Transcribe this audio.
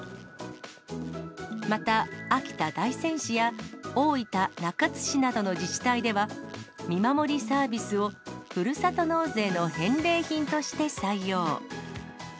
また、秋田・大仙市や大分・中津市などの自治体では、見守りサービスをふるさと納税の返礼品として採用。